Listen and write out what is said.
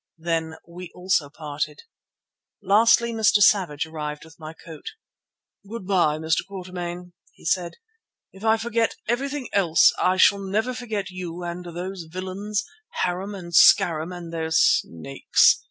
Then we also parted. Lastly Mr. Savage arrived with my coat. "Goodbye, Mr. Quatermain," he said. "If I forget everything else I shall never forget you and those villains, Harum and Scarum and their snakes.